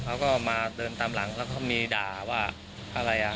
เขาก็มาเดินตามหลังแล้วก็มีด่าว่าอะไรอ่ะ